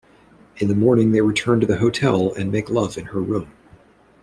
In the morning they return to the hotel and make love in her room.